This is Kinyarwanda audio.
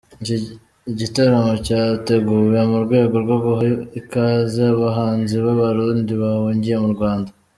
Iki gitaramo cyateguwe mu rwego rwo guha ikaze abahanzi b’Ababarundi bahungiye mu Rwanda.